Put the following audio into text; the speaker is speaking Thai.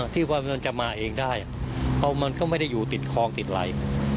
ที่ว่ามันจะมาเองได้มันก็ไม่ได้อยู่ติดคลองติดอะไร